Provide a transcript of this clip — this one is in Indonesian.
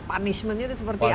punishmentnya itu seperti apa